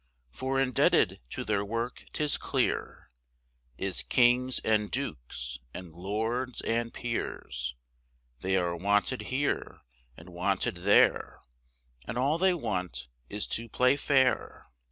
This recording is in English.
For indebted to their work 'tis clear, Is kings and dukes, and lords and peers, They are wanted here, and wanted there, And all they want is to play fair.